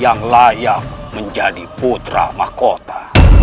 yang layak menjadi putra mahkota